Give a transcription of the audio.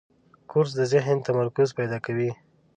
کورس د ذهن تمرکز پیدا کوي.